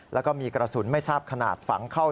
แล้วก็มีกระสุนไม่ทราบขนาดฝังเข้า